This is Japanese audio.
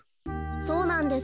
そうなんです。